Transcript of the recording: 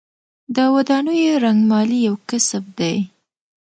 د ودانیو رنګمالي یو کسب دی